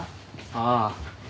ああ。